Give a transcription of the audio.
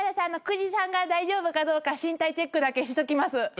久慈さんが大丈夫かどうか身体チェックだけしときます。